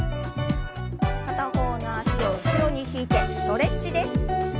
片方の脚を後ろに引いてストレッチです。